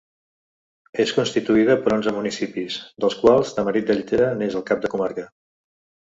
És constituïda per onze municipis, dels quals Tamarit de Llitera n'és el cap de comarca.